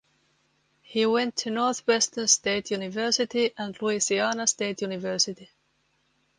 He went to Northwestern State University and Louisiana State University.